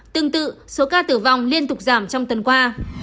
tương tự số ca tử vong liên tục giảm trong tuần qua